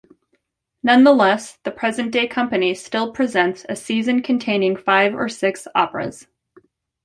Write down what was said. Nonetheless, the present day company still presents a season containing five or six operas.